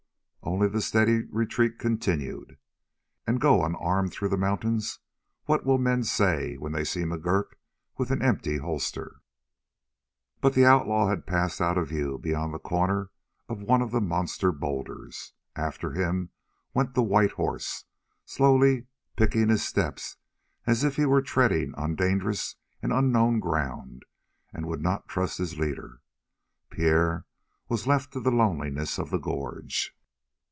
Only the steady retreat continued. "And go unarmed through the mountains? What will men say when they see McGurk with an empty holster?" But the outlaw had passed out of view beyond the corner of one of the monster boulders. After him went the white horse, slowly, picking his steps, as if he were treading on dangerous and unknown ground and would not trust his leader. Pierre was left to the loneliness of the gorge.